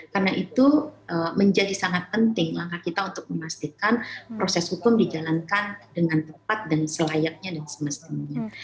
karena itu menjadi sangat penting langkah kita untuk memastikan proses hukum dijalankan dengan tepat dan selayaknya dan semestinya